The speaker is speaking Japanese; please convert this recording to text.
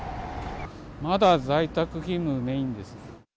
まだ在宅勤務メインです。